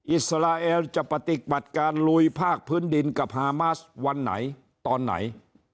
อิสราเอลจะปฏิบัติการลุยภาคพื้นดินกับฮามาสวันไหนตอนไหน